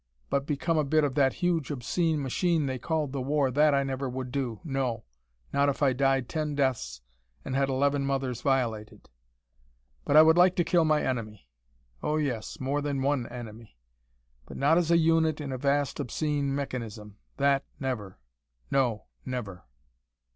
But become a bit of that huge obscene machine they called the war, that I never would, no, not if I died ten deaths and had eleven mothers violated. But I would like to kill my enemy: Oh, yes, more than one enemy. But not as a unit in a vast obscene mechanism. That never: no, never."